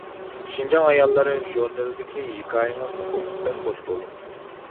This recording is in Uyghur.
شىنجاڭ ئاياللىرى ژۇرنىلىدىكى ھېكايىڭىزنى ئوقۇپ بەك خۇش بولدۇم.